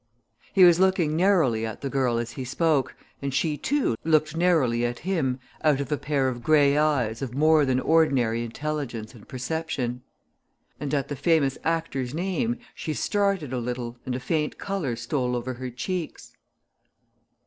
He was looking narrowly at the girl as he spoke, and she, too, looked narrowly at him out of a pair of grey eyes of more than ordinary intelligence and perception. And at the famous actor's name she started a little and a faint colour stole over her cheeks.